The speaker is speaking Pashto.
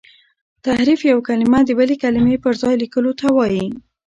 تحريف یو کلمه د بلي کلمې پر ځای لیکلو ته وايي.